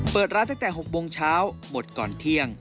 เปิดร้านตั้งแต่๖โมงเช้าหมดก่อนเที่ยง